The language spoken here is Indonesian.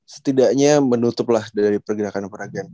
setidaknya menutuplah dari pergerakan perangen